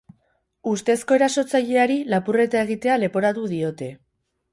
Ustezko erasotzaileari lapurreta egitea leporatu diote.